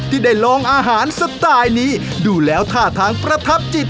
ที่ได้ลองอาหารสไตล์นี้ดูแล้วท่าทางประทับจิต